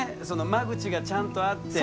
間口がちゃんとあって。